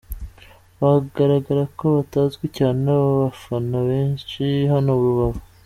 Bigaragara ko batazwi cyane n’abafana benshi hano Rubavu.